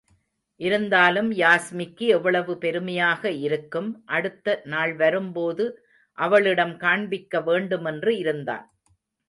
இருந்தாலும் யாஸ்மிக்கு எவ்வளவு பெருமையாக இருக்கும், அடுத்த நாள்வரும்போது அவளிடம் காண்பிக்க வேண்டுமென்று இருந்தான்.